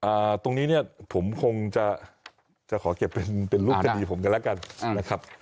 ตรงนี้เนี่ยผมคงจะจะขอเก็บเป็นเป็นรูปคดีผมกันแล้วกันนะครับ